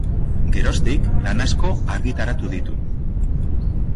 Geroztik lan asko argitaratu ditu.